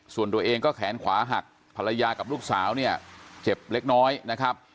ส่วนตัวเองก็แขนขวาหักภรรยากับลูกสาวเนี่ยเจ็บเล็กน้อยนะครับ